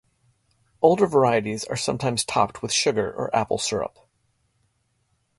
Older varieties are sometimes topped with sugar or apple syrup.